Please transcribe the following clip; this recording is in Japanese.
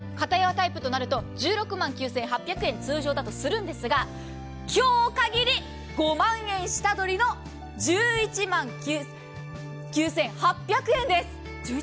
これがエアウィーヴのセミダブル、かたやわタイプとなると、１６万９８００円、通常だとするんですが今日かぎり５万円下取りの１１万９８００円です。